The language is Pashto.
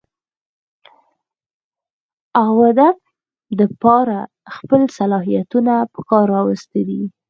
اوادب دپاره خپل صلاحيتونه پکار راوستي دي